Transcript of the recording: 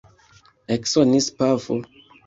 Eksonis pafo.